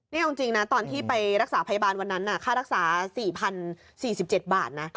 นี่เอาจริงนะตอนที่ไปรักษาพยาบาลวันนั้นค่ารักษา๔๐๔๗บาทนะ